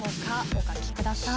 お書きください。